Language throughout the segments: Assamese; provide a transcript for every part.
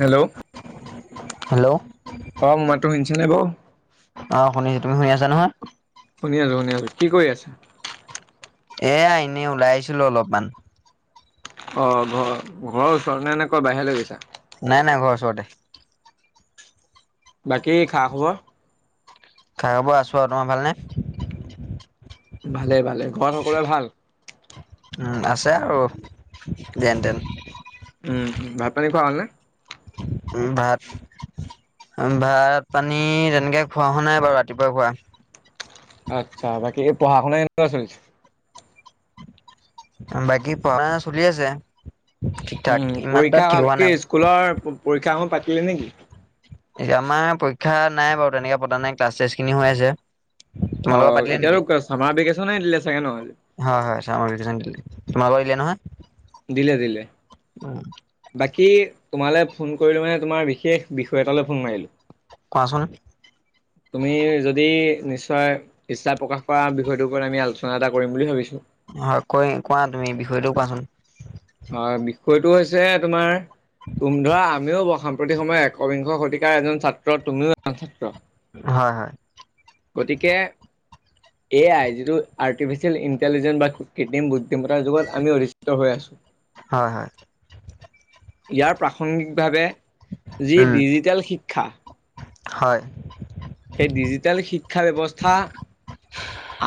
হেল্লো। হেল্লো'। অ' মাতো শুনিছে নাই বাৰু। আছে নহয়। শুনি আছো, শুনি আছো, কি কৰি আছা। এয়া এনেই ওলাই আহিছিলো অলপমান অ' ঘৰ ঘৰৰ ওচৰত নে, নে কয় বাহিৰলৈ গৈছা। নাই, নাই ঘৰ ওচৰতে। বাকী খা খবৰ। খাই বৈ আছো আৰু তোমাৰ ভালনে? ভালে ভালে, ঘৰত সকলোৱে ভাল। আছে আৰু যেন-তেন। উম, ভাত পানী খোৱা হ'ল নে। উম, ভাত। ভাত পানী তেনেকে খুৱ হোৱা নাই বাৰু ৰাতিপুৱা খুৱাই। আচ্ছা বাকী এই পঢ়া শুনা এনেকুৱা চলিছে। বাকী পঢ়ানা চলি আছে। ঠিক ঠাক উম, ইমান এটা পৰীক্ষা ঠিক হোৱা কি নাই স্কুলৰ পৰীক্ষা সমূহ পাতিলে নেকি। এয়া আমাৰ পৰীক্ষা নাই বাৰু তেনেকে পতা নাই ক্লাছ খিনি হৈ আছে। অ তোমালোকক পাতিলো এতিয়াতো নেকি চামাৰ ভেকেচনে দিলে চাগে ন হয়- হয় চামগ্ৰী দিলে। তোমালোকৰ দিলে নহয়। দিলে- দিলে বাকী তোমালে ফোন কৰিলো মানে তোমাৰ বিশেষ বিষয় এটালৈ ফোন মাৰিলো। কোৱাচোন তুমি যদি নি নিশ্চয় ইচ্ছা প্ৰকাশ কৰা বিষয়টোৰ ওপৰত আমি আলোচনা এটা কৰিম বুলি ভাবিছো। হয় কৈ কোৱা তুমি বিষয়টো কোৱাচোন। হয় বিষয়টো হৈছে তোমাৰ তুম ধৰা আমিও বসাম প্ৰতি সময়ে একবিংশ শতিকাৰ এজন ছাত্ৰ তুমিও এজন ছাত্ৰ। হয় - হয়। গতিকে এ আই যিটো আৰ আৰ্টিচিয়েল ইণ্টেলিজেন্ বা কৃত্ৰিম বুদ্ধিমতাৰ যুগত আমি অধিত হৈ আছো। হয়- হয়। ইয়াৰ প্ৰাসংগিকভাৱে যি উম ডিজিটেল শিক্ষা। হয়। সেই ডিজিটেল শিক্ষা ব্যৱস্থা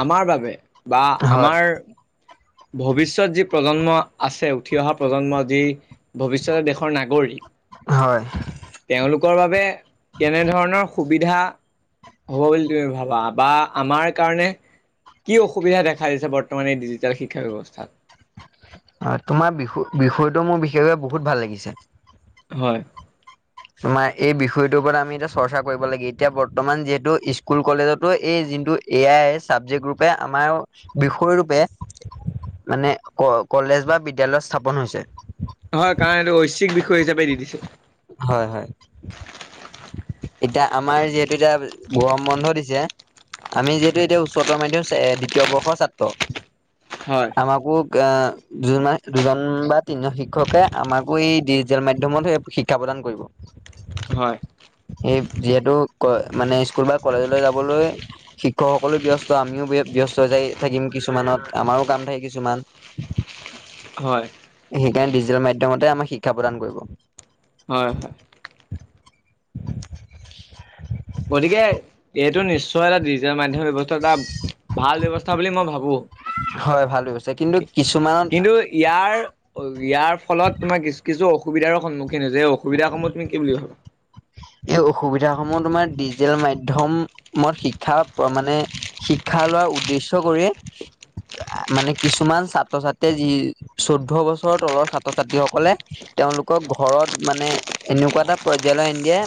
আমাৰ বাবে বা হয় আমাৰ ভৱিষ্যতে যি প্ৰজন্ম আছে উঠি অহা প্ৰজন্ম যি ভৱিষ্যতে দেশৰ নাগৰিক হয় তেওলোকৰ বাবে কেনেধৰণৰ সুবিধা হ'ব বুলি তুমি ভাবা বা আমাৰ কাৰণে কি অসুবিধা দেখা দিছে বৰ্তমান এই ডিজিটেল শিক্ষা ব্যৱস্থাত। অ, তোমাৰ বি বিষয়টো মোৰ বিশেষকে বহুত ভাল লাগিছে। হয়। তোমাৰ এই বিষয়টোৰ ওপৰত আমি এতিয়া চৰ্চা কৰিব লাগে এতিয়া বৰ্তমান যিহেতু স্কুল কলেজতো এই কিন্তু এ আই চাবজেক্ট ৰূপে আমাৰ বিষয় ৰূপে। মানে ক কলেজ বা বিদ্য়ালয় স্থাপন হৈছে। হয় কাৰণ এইটো ঐচ্ছিক বিষয় হিচাপে দি দিছে। হয় - হয়। এতিয়া আমাৰ যিহেতু এতিয়া গৰম বন্ধ দিছে। আমি যিহেতু এতিয়া উচ্চতৰ মাধয়মিক দ্বিতীয় বৰ্ষৰ ছাত্ৰ হয় আমাকো য দুজন বা তিনিজন শিক্ষকে আমাকো এই ডিজিটেল মাধ্য়মত স শিক্ষা প্ৰদান। কৰিব। হয়। সেই যিহেতু মানে স্কুল বা কলেজলৈ যাবলৈ শিক্ষকসকলো ব্যস্ত আমিও ব্যস্ত। চ যাই থাকিম কিছুমানত আমাৰো কাম থাকে কিছুমান। হয়। ডিজিটেল মাধ্যমতে আমাৰ শিক্ষা প্ৰদান কৰিব। হয় - হয়। গতিকে এইটো নিশ্চয় এটা ডিজাৰ মান। ব্যৱস্থা এটা ভাল ব্যৱস্থা বুলি মই ভাবো। হয় ভাল ব্যৱস্থা। কিন্তু কিছুমানত কিন্তু ইয়াৰ অ, ইয়াৰ ফলত তোমাৰ কি কিছু অসুবিধাৰো সন্মুখীন হৈছে এই অসুবিধাসমূহ তুমি কি বুলি ভাবা। এই অসুবিধাস সমূহ তোমাৰ ডিজিটেল মাধ্যমত শিক্ষা মানে শিক্ষা ভা লোৱাৰ উদ্দেশ্য কৰি মানে কিছুমান ছাত্ৰ ছাত্ৰীয়ে যি চৌধ্যয় বছৰৰ তলৰ ছাত্ৰ ছাত্ৰীসকলে তেওঁলোকক ঘৰত মানে এনেকুৱা এটা পৰ্যায়াললৈ নিদিয়ে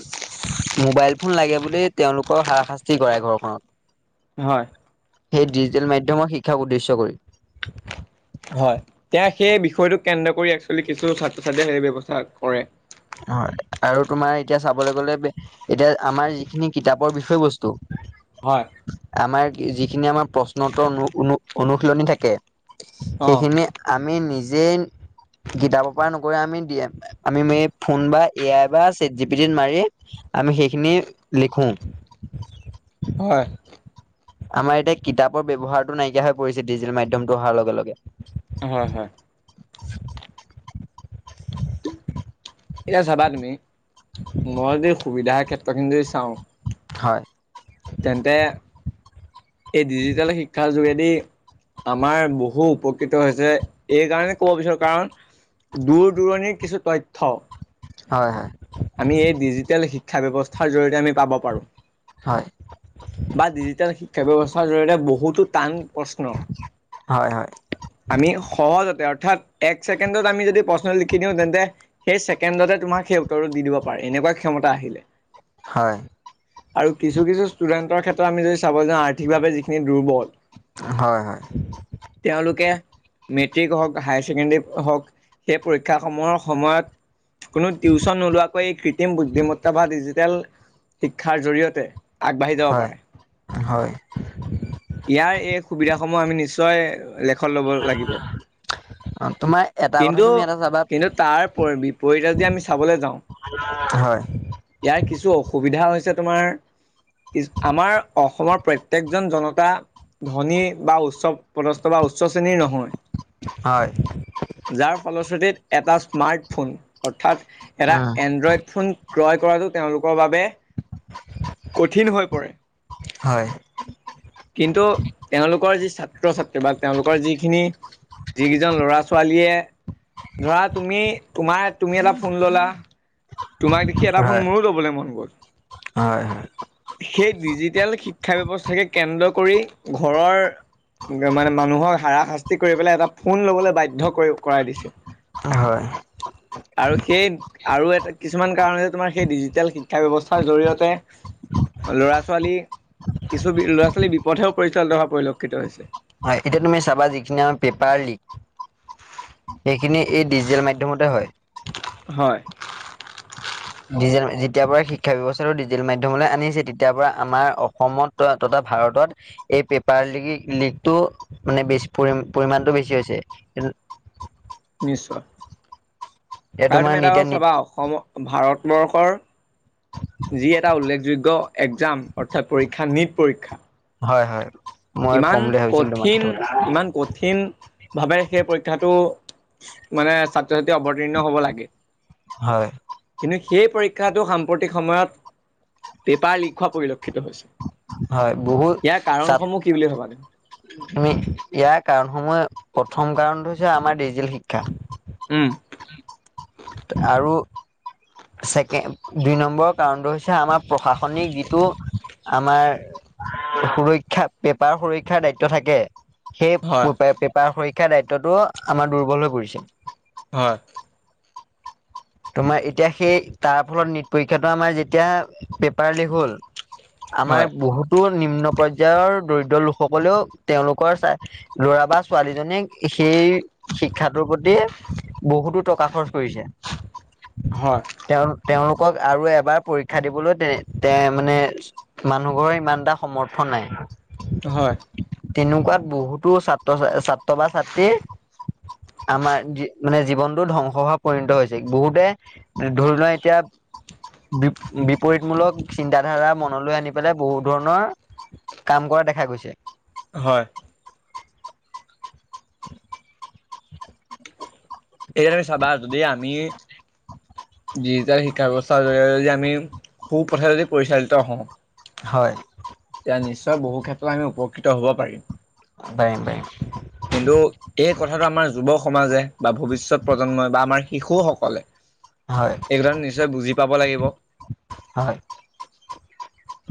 মোবাইল ফোন লাগে বুলি তেওঁলোকৰ হাৰাশাস্তি কৰে ঘৰখনত। হয়। সেই ডিজিটেল মাধ্যমৰ শিক্ষা উদ্দেশ্য কৰি। হয়। তেওঁ সেই বিষয়টোক কেন্দ্ৰ কৰি একশ্যোৱেল কিছু ছাত্ৰ ছাত্ৰীয়ে সেই ব্যৱস্থা কৰে। হয়। আৰু তোমাৰ এতিয়া চাবলৈ গ'লে এতিয়া আমাৰ যিখিনি কিতাপৰ বিষয় বস্ত হয় আমাৰ যিখিনি আমাৰ প্ৰশ্নোত্তৰ অনুশীলনী থাকে অ সেইখিনি আমি নিজ যে কিতাপৰ পৰা নকৰি আমি দিয়ে আমি ফোন বা এ আই বা চেট জি পি টিত মাৰি আমি সেইখিনি লিখো। হয়। আমাৰ এতিয়া কিতাপৰ ব্যৱহাৰটো নাইকিয়া হৈ পৰিছে ডিজিটেল মাধ্যমটো অহাৰ লগে লগে। হয়, হয়। এতিয়া চাবা তুমি মই যে সুবিধাৰ ক্ষেত্ৰ খিনি যদি চাওঁ হয়। তেন্তে এই ডিজিটেল শিক্ষাৰ যোগে দি আমাৰ বহু উপকৃত হৈছে। এই কাৰণে ক'ব বিচাৰো, কাৰণ দূৰ দূৰণিৰ কিছু তথ্য হয়, হয় আমি এই ডিজিটেল শিক্ষা ব্যৱস্থাৰ জৰি়য়তে আমি পাব পাৰোঁ। হয়। বা ডিজিটেল শিক্ষা ব্যৱস্থাৰ জৰি়য়তে বহুতো টান প্ৰশ্ন হয়, হয়। আমি সহজতে, অৰ্থাৎ এক ছেকেণ্ডত আমি যদি প্ৰশ্ন লিখি দিওঁ, তেন্তে সেই ছেকেণ্ডতে তোমাক সেই উত্তৰটো দি দিব পাৰে, এনেকুৱা ক্ষমতা আহিলে। হয়। আৰু কিছু কিছু ষ্টুডেণ্টৰ ক্ষেত্ৰত আমি যদি চাব যাওঁ আৰ্থিকভাৱে যিখিনি দুৰ্বল। হয়, হয়। তেওঁলোকে মেট্ৰিক হওঁক হায়াৰ ছেকেণ্ডেৰী হওঁক সেই পৰীক্ষাসমূহৰ সময়ত কোনো টিউশচন নোলোৱাকৈ এই কৃত্ৰিম বুদ্ধিমত্তা বা ডিজিটেল শিক্ষাৰ জৰিয়তে আগবাঢ়ি যাব হয় হয় পাৰে। হয় ইয়াৰ এই সুবিধাসমূহ আমি নিশ্চয় নিশ্চয় লেখনত ল'ব লাগিব। তোমাৰ এটা কথা কিন্তু, তুমি এটা চাবা কিন্তু তাৰ বিপৰীতে যদি আমি চাবলৈ যাওঁ হয় ইয়াৰ কিছু অসুবিধা হৈছে তোমাৰ [unintelligible] আমাৰ অসমৰ প্ৰত্যেকজন জনতা ধনী বা উৎসৱ পদস্থ বা উ উচ্চ শ্ৰেণীৰ নহয়, হয় যাৰ ফলশ্ৰুতিত এটা স্মাৰ্টফোন অৰ্থাৎ এটা হয় এণ্ড্ৰইড ফোন ক্ৰয় কৰাতটো তেওঁলোকৰ বাবে বাবে কঠিন হৈ পৰে। কিন্তু তেওঁলোকৰ যি ছা ছাত্ৰ-ছাত্ৰী বা তেওঁলোকৰ যিখিনি, যিকেইজন ল'ৰা-ছোৱালীয়ে ধৰা তুমি, তোমাৰ-তুমি এটা ফোন ল'লা তোমাক দেখি এটা হয় ফোন মোৰো ল'বলৈ মন গ'ল হয় সেই ডিজিটেল শিক্ষা ব্যৱস্থা কে কেন্দ্ৰ কৰি ঘৰৰ মা মানুহক হাৰাশাস্তি কৰি পেলাই এটা ফোন ল'বলৈ বাধ্য কৰি-কৰাই দিছে। হয় আৰু সেই, আৰু এটা কিছুমান কাৰণে তোমাৰ সেই ডিজিটেল শিক্ষা ব্যৱস্থাৰ জৰিয়তে ল'ৰা-ছোৱালী কিছু বি ল'ৰা-ছোৱালী বিপথেও পৰিচালিত হোৱা পৰিলক্ষিত হৈছে। হয় এতিয়া তুমি চাবা যিখিনি আমাৰ পেপাৰ লিক সেইখিনি এই ডিজিটেল মাধ্যমতে হয়। হয়। ডিজে যেতিয়া পৰাই শিক্ষা ব্যৱস্থাটো ডিজিটেল মাধ্যমলৈ আনিছে, তেতিয়া পৰা আমাৰ অসমত ত ভাৰতত এই পেপাৰ লি লিকটো মানে বেছ পৰি পৰিমাণটো বেছি হৈছে নিশ্চয়। এ তাৰ তোমাৰ তুমি এটা নিতিয়া কথা চাবা অসমৰ ভাৰতবৰ্ষৰ যি এটা উল্লেখযোগ্য এক্জাম অৰ্থাৎ পৰীক্ষা নীট পৰীক্ষা। হয় হয়। মই ক'ম ইমান বুলি ভাবিছিলো তোমাক কঠিন, সেইটো কথা ইমান কঠিনভাৱে সেই পৰীক্ষাটো মানে ছাত্ৰ-ছাত্ৰী অৱতীৰ্ণ হ'ব লাগে। হয়। কিন্তু সেই পৰীক্ষাটো সাম্প্ৰতিক সময়ত পেপাৰ লিক হোৱা পৰিল হয়, বহুত চাপ কাৰণসমূহ কি বুলি ভাবা তুমি উম, য়াৰ কাৰণসমূহে প্ৰথম কাৰণটো হৈছে আমাৰ ডিজিটেল শিক্ষা। উম। আৰু। ছেকে দুই নম্বৰৰ কাৰণটো হৈছে আমাৰ প্ৰশাসনিক যিটো আমাৰ সুৰক্ষা, পেপাৰ সুৰক্ষাৰ দায়িত্ব থাকে। সেই হয় পেপাৰ সৰীক্ষাৰ দায়িত্বটো আমাৰ দুৰ্বল হৈ পৰিছে। হয়। তোমাৰ এতিয়া সেই, তাৰ ফলত নীট পৰীক্ষাটো আমাৰ যেতিয়া পেপাৰ লিক হ'ল। আমাৰ হয় বহুতো নিম্ন পৰ্যায়ৰ দৰি লোকসকলেও তেওঁলোকৰ চাই। ল'ৰা বা ছোৱালীজনীক সেই শিক্ষাটোৰ প্ৰতি বহুতো টকা খৰচ কৰিছে। হয় তেওঁ তেওঁলোক। লোকক আৰু এবাৰ পৰীক্ষা দিবলৈ দে। দে মানে মানুহ ঘৰৰ ইমানটা সমৰ্থন নাই। হয়। তেনেকুৱাত বহুতো ছাত্ৰ, ছাত্ৰ বা ছাত্ৰীৰ আমাৰ। মানে জীৱনতো ধ্বংস হোৱা পৰিণত হৈছে। বহুতে। ধৰি লোৱা এতিয়া বি বিপৰীতমূলক চিন্তাধাৰা মনলৈ আনি পেলাই বহুত ধৰণৰ কাম কৰা দেখা গৈছে। হয়। এইদৰে চাবা যদি আমি গীৰ্জাত শিকা বছৰ দৰে যদি আমি সু-পথে যদি পৰিচালিত হওঁ। হয়। তেতিয়া নিশ্চয় বহু ক্ষেত্ৰত আমি উপকৃত হ'ব পাৰিম। পাৰিম পাৰিম। কিন্তু এই কথাটো আমাৰ যুৱ সমাজে বা ভৱিষৎ প্ৰজন্মই বা আমাৰ শিশুসকলে হয় এইটো কাৰণ নিশ্চয় বুজি পাব লাগিব। হয়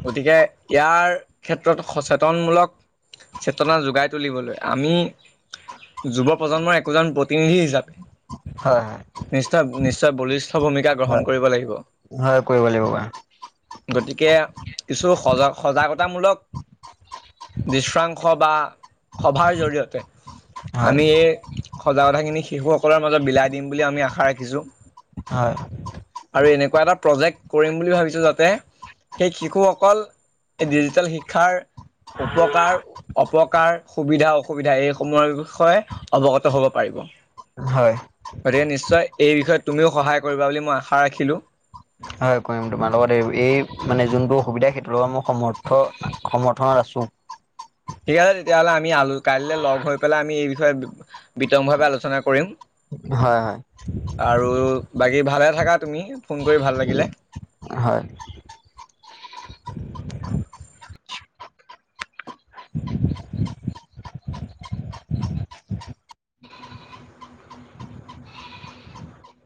গতিকে ইয়াৰ ক্ষেত্ৰত সচেতনমূলক চেতনা যোগাই তুলিবলৈ আমি যুৱ প্ৰজন্মই একোজন প্ৰতিনিধি হিচাপে হয় হয় নিষ্টাব নিশ্চয় বলিষ্ঠ ভূমিকা গ্ৰহণ হয় কৰিব লাগিব। হয় কৰিব লাগিব বাৰু গতিকে কিছু সজাগ সজাগত তামোলক দৃশ্যাংশ বা সভাৰ জৰিয়তে হয় আমি এই সজাকথা খিনি শিশুসকলৰ মাজত বিলাই দিম বুলি আমি আশা ৰাখিছো। হয়। প্ৰজেক্ট কৰিম বুলি ভাবিছো যাতে সেই শিশুসকল এই ডিজিটেল শিক্ষাৰ উপকাৰ, অপকাৰ, সুবিধা অস সুবিধা এইসমূহৰ ৱিষয়ে অৱগত হ'ব পাৰিব। হয় গতিকে নিশ্চয় এই বিষয়ে তুমিও সহায় কৰিবা বুলি মই আশা ৰাখিলো। হয় কৰিম। তোমাৰ লগত এই, এই মানে যোনটো অসুবিধা সেইটোৰ লগৰ মোৰ সমৰ্থ সমৰ্থন আছো। ঠিক আছে তেতিয়াহ'লে আমি আলো কাইলে লগ হৈ পেলাই আমি এই বিষয়ে বিতংভাৱে আলোচনা কৰিম। হয় হয়। আৰু বাকী ভালে থাকাত তুমি ফোন কৰি ভাল লাগিলে। উম হয়।